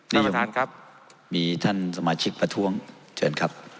ท่านประธานครับมีท่านสมาชิกประท้วงเชิญครับ